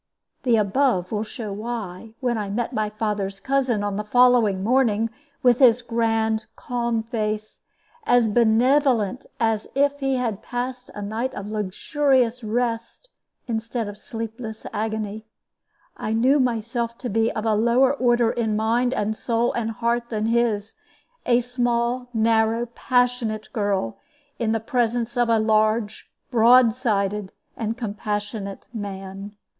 The above will show why, when I met my father's cousin on the following morning with his grand, calm face, as benevolent as if he had passed a night of luxurious rest instead of sleepless agony I knew myself to be of a lower order in mind and soul and heart than his; a small, narrow, passionate girl, in the presence of a large, broad sighted, and compassionate man.